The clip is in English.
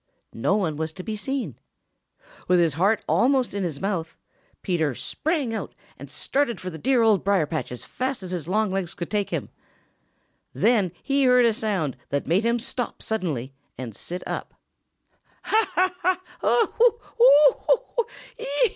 No one was to be seen. With his heart almost in his mouth, Peter sprang out and started for the dear Old Briar patch as fast as his long legs could take him. And then he heard a sound that made him stop suddenly and sit up. "Ha, ha, ha!